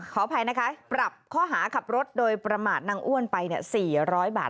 ขออภัยนะคะปรับข้อหาขับรถโดยประมาทนางอ้วนไป๔๐๐บาท